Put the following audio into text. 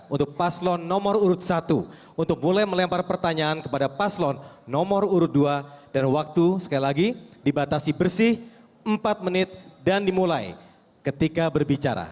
untuk paslon nomor urut satu untuk boleh melempar pertanyaan kepada paslon nomor urut dua dan waktu sekali lagi dibatasi bersih empat menit dan dimulai ketika berbicara